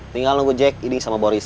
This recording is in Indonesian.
tinggal nunggu jack ini sama boris